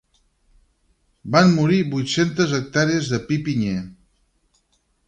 Van morir vuit-centes hectàrees de pi pinyer.